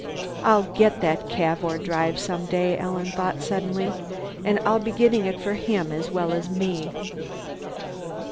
I'll get the Cavour drive someday, Alan thought suddenly. _And I'll be getting it for him as well as me.